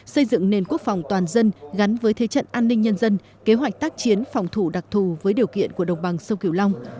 xây dựng nền quốc phòng toàn dân gắn với thế trận an ninh nhân dân kế hoạch tác chiến phòng thủ đặc thù với điều kiện của đồng bằng sông kiều long